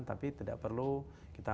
tapi tidak perlu kita